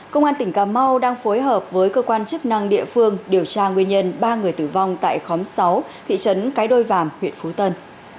công an tỉnh cà mau đang phối hợp với cơ quan chức năng địa phương điều tra nguyên nhân ba người tử vong tại khóm sáu thị trấn cái đôi vàm huyện phú tân